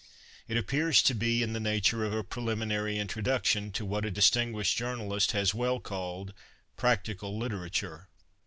It appears to be in the nature of a preliminary intro duction to what a distinguished journalist has well called " practical literature."